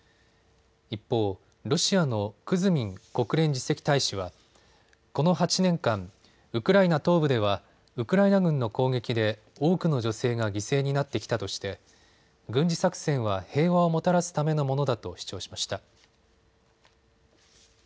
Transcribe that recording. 一方、ロシアのクズミン国連次席大使はこの８年間、ウクライナ東部ではウクライナ軍の攻撃で多くの女性が犠牲になってきたとして軍事作戦は平和をもたらすためのものだと主張しました。